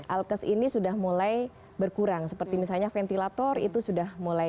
alkes ini sudah mulai berkurang seperti misalnya ventilator itu sudah mulai